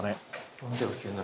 ４０９７